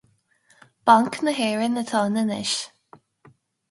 Banc na hÉireann atá ann anois